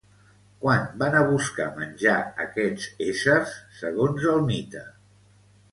Quan van a buscar menjar aquests éssers, segons el mite?